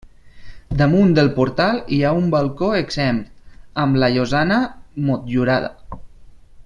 Damunt del portal hi ha un balcó exempt, amb la llosana motllurada.